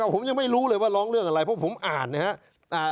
ผมยังไม่รู้เลยว่าร้องเรื่องอะไรเพราะผมอ่านนะครับ